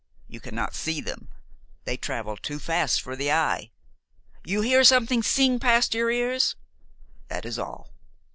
You cannot see them, they travel too fast for the eye. You hear something sing past your ears, that is all.